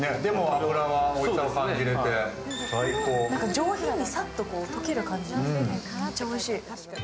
上品にさっと溶ける感じでめっちゃおいしい。